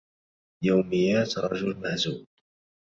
يوميات رجل مهزوم